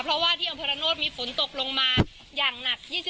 เพราะว่าที่อำเภอระโนธมีฝนตกลงมาอย่างหนัก